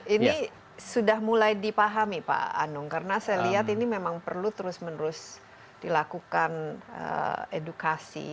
ini sudah mulai dipahami pak anung karena saya lihat ini memang perlu terus menerus dilakukan edukasi